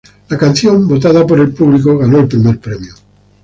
La canción, votada por el público, gana el primer premio.